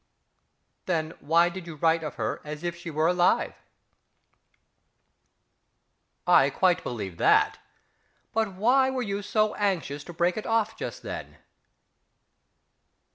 Then why did you write of her as if she were alive?... I quite believe that but why were you so anxious to break it off just then?...